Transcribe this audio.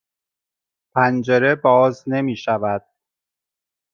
پنجره باز نمی شود.